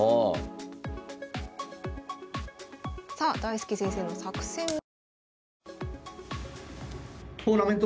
さあ大介先生の作戦は？